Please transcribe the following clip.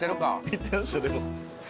言ってましたでも。